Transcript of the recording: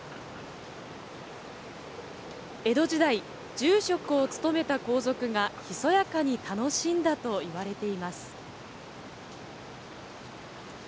江戸時代、住職を務めた皇族がひそやかに楽しんだといわれています。